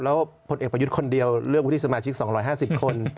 แล้วผลเอกประยุทธ์คนเดียวเลือกวุฒิสมาชิก๒๕๐คน